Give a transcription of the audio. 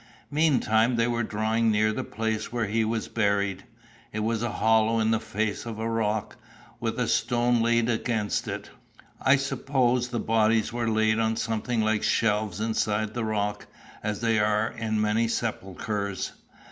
"Meantime they were drawing near the place where he was buried. It was a hollow in the face of a rock, with a stone laid against it. I suppose the bodies were laid on something like shelves inside the rock, as they are in many sepulchres.